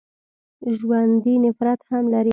ژوندي نفرت هم لري